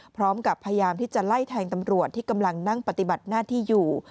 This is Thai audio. พร้อมกับพยายามที่จะไล่แทงตำรวจที่กำลังนั่งปฏิบัติหน้าที่อยู่